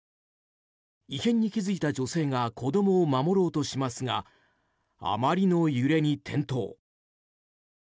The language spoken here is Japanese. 異変に気付いた女性が子供を守ろうとしますがあまりの揺れに転倒。